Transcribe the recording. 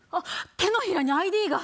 手のひらにＩＤが！え？